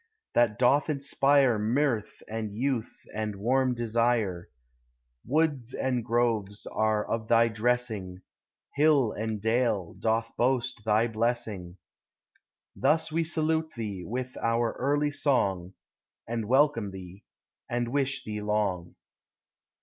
that doth inspire Mirth and youth and warm desire; Woods and groves are of thy dressing, Hill and dale doth boast thy blessing. Thus we salute thee with our early song, And welcome thee, and wish thee long.